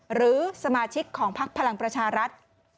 หรือสมาชิกของพักพลังประชารัฐ